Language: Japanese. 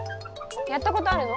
やったことあるの？